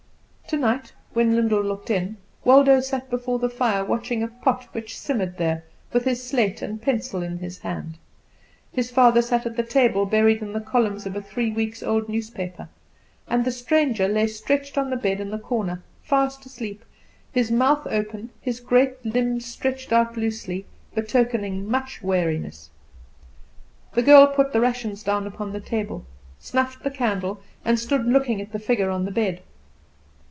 Tonight, when Lyndall looked in, Waldo sat before the fire watching a pot which simmered there, with his slate and pencil in his hand; his father sat at the table buried in the columns of a three weeks old newspaper; and the stranger lay stretched on the bed in the corner, fast asleep, his mouth open, his great limbs stretched out loosely, betokening much weariness. The girl put the rations down upon the table, snuffed the candle, and stood looking at the figure on the bed.